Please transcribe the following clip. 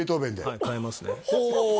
はい買えますねほ